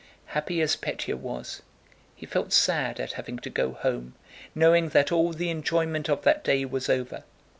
Happy as Pétya was, he felt sad at having to go home knowing that all the enjoyment of that day was over.